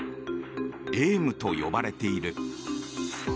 エームと呼ばれている。